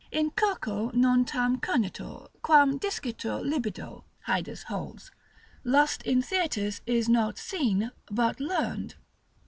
In circo non tam cernitur quam discitur libido. Haedus holds, lust in theatres is not seen, but learned.